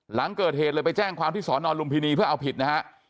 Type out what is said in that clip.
หลังเกิดเหตุเลยไปแจ้งความที่สอนอนลุมพินีเพื่อเอาผิดนะฮะ